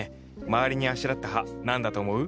周りにあしらった葉何だと思う？